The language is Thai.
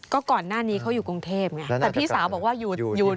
ก็ก่อนหน้านี้เขาอยู่กรุงเทพไงแต่พี่สาวบอกว่าอยู่